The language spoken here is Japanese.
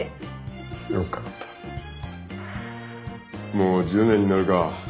もう１０年になるか。